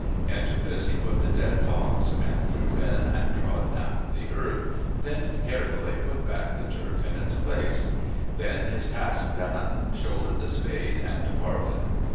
Into this he put the dead fox, and threw in and trod down the earth, then carefully put back the turf in its place, then, his task done, shouldered the spade and departed.